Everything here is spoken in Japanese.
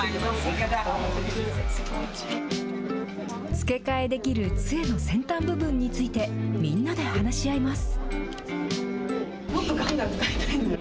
付け替えできるつえの先端部分について、みんなで話し合います。